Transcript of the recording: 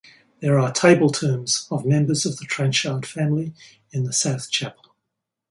There are table tombs of members of the Trenchard family in the south chapel.